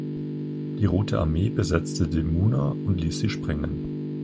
Die Rote Armee besetzte die Muna und ließ sie sprengen.